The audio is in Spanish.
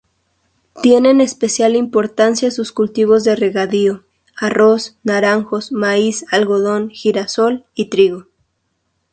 Tienen especial importancia sus cultivos de regadío, arroz, naranjos, maíz, algodón, girasol y trigo.